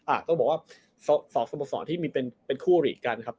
อ่ะก็บอกว่าสองสมพสรรค์ที่มีเป็นเป็นคู่อลีกันครับ